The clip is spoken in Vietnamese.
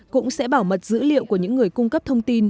cũng sẽ bảo mật dữ liệu của những người cung cấp thông tin